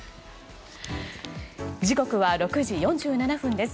時刻は６時４７分です。